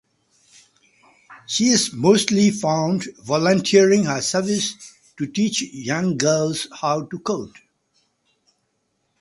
She is mostly found volunteering her service to teach young girls how to code.